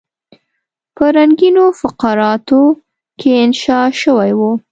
په رنګینو فقراتو کې انشا شوی وو.